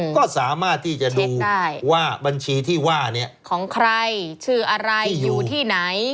ก็สามารถที่จะดูว่าบัญชีที่ว่าเนี่ยของใครชื่ออะไรอยู่ที่ไหน